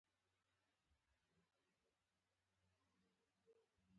د صادر شویو او وارد شویو توکو اندازه ګوري